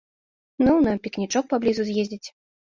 Ну, на пікнічок паблізу з'ездзіць.